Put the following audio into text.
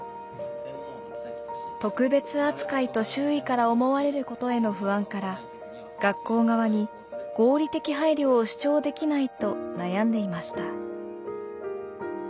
特別扱いと周囲から思われることへの不安から学校側に合理的配慮を主張できないと悩んでいました。